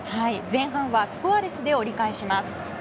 前半はスコアレスで折り返します。